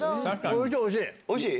おいしい！